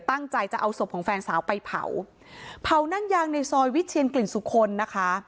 ตั้งใจจะเอาศพของแฟนสาวไปเผาเผานั่งยางในซอยวิเชียนกลิ่นสุคลนะคะ